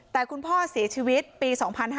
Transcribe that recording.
แต่คุณพ่อเสียชีวิตปี๒๕๕๙